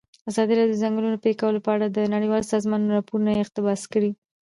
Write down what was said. ازادي راډیو د د ځنګلونو پرېکول په اړه د نړیوالو سازمانونو راپورونه اقتباس کړي.